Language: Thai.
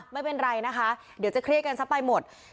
ไม่เป็นไรนะคะเดี๋ยวจะเครียดกันซะไปหมด